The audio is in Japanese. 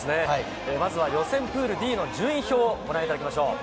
まずは予選プールＤの順位表をご覧いただきましょう。